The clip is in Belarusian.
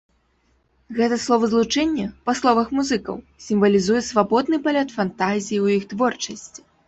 Гэта словазлучэнне, па словах музыкаў, сімвалізуе свабодны палёт фантазіі ў іх творчасці.